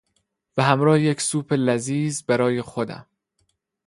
به همراه یک سوپ لذیذ برای خودم